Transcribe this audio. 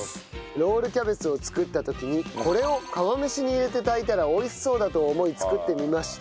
ロールキャベツを作った時にこれを釜飯に入れて炊いたら美味しそうだと思い作ってみました。